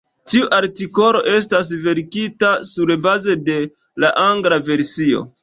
Tiu artikolo estas verkita surbaze de la angla versio.